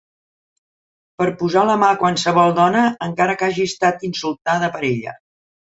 Per posar la mà a qualsevol dona encara que hagi estat insultada per ella.